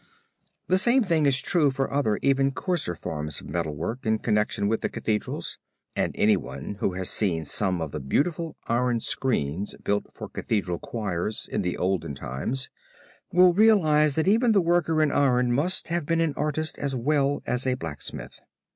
This same thing is true for other even coarser forms of metal work in connection with the Cathedrals, and anyone who has seen some of the beautiful iron screens built for Cathedral choirs in the olden times will realize that even the worker in iron must have been an artist as well as a blacksmith.